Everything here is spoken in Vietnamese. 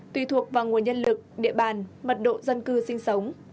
tùy thuộc vào nguồn nhân lực địa bàn mật độ dân cư sinh sống